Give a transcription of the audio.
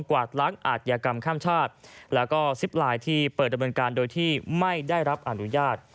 วาดล้างอาทยากรรมข้ามชาติแล้วก็ซิปไลน์ที่เปิดดำเนินการโดยที่ไม่ได้รับอนุญาต